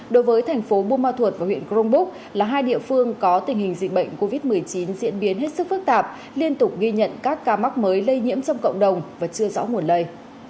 đối với thành phố buôn ma thuột và huyện crong búc là hai địa phương có tình hình dịch bệnh covid một mươi chín diễn biến hết sức phức tạp liên tục ghi nhận các ca mắc mới lây nhiễm trong cộng đồng và chưa rõ nguồn lây